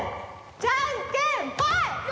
じゃんけんぽい！